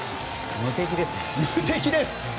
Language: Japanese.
無敵ですね。